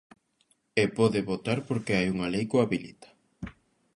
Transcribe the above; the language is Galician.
E pode votar porque hai unha lei que o habilita.